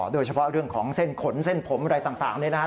โดยเฉพาะเรื่องของเส้นขนเส้นผมอะไรต่างนี่นะครับ